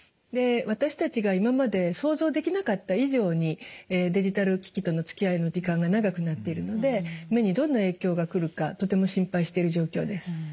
私たちが今まで想像できなかった以上にデジタル機器とのつきあいの時間が長くなっているので目にどんな影響がくるかとても心配している状況です。